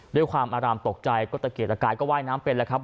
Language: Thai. ด้วยความอารามตกใจก็ตะเกียดตะกายก็ว่ายน้ำเป็นแล้วครับ